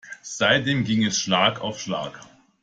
Seitdem ging es Schlag auf Schlag.